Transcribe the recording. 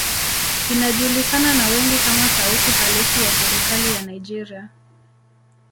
Inajulikana na wengi kama sauti halisi ya serikali ya Nigeria.